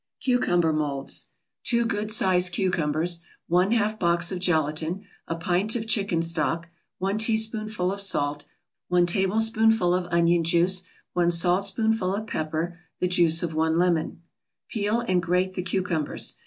CUCUMBER MOLDS 2 good sized cucumbers 1/2 box of gelatin 1 pint of chicken stock 1 teaspoonful of salt 1 tablespoonful of onion juice 1 saltspoonful of pepper The juice of one lemon Peel and grate the cucumbers.